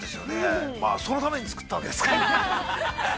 ◆そのために作ったんですから。